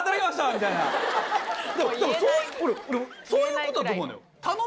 みたいなでもそういうことだと思うのよ